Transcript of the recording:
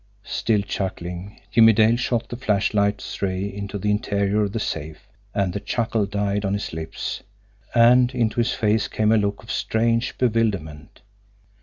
Still chuckling, Jimmie Dale shot the flashlight's ray into the interior of the safe and the chuckle died on his lips, and into his face came a look of strained bewilderment.